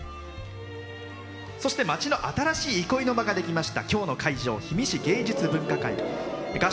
そして、町の新しい憩いの場ができました。